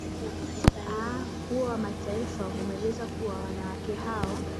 a huo wa mataifa umeeleza kuwa wanawake hao